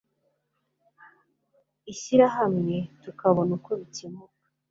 ishyirahamwe tukabona uko bikemuka